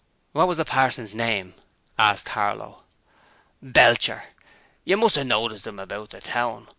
'What was the parson's name?' asked Harlow. 'Belcher. You must 'ave noticed 'im about the town.